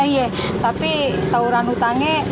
iya tapi sahuran hutangnya